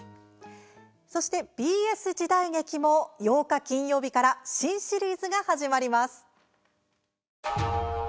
そして、ＢＳ時代劇も８日、金曜日から新シリーズが始まります。